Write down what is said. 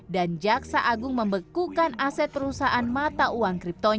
dan jatuhkan kemampuan untuk mencari kemampuan untuk mencari kemampuan